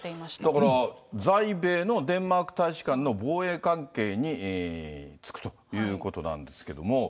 だから、在米のデンマーク大使館の防衛関係に就くということなんですけども。